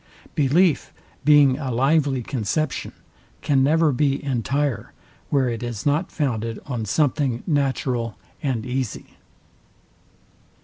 Belief, being a lively conception, can never be entire, where it is not founded on something natural and easy.